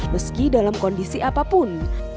meski dalam kondisi apapun